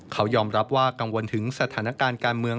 เขายอมรับว่ากังวลถึงสถานการณ์การเมือง